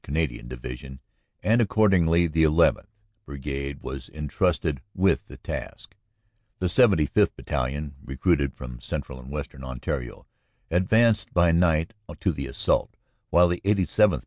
Canadian Division, and accordingly the llth. Brigade was entrusted with the task. The 75th. Battalion, recruited from Central and Western On tario, advanced by night to the assault, while the 87th.